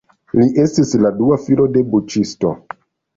Li estis la dua filo de buĉisto.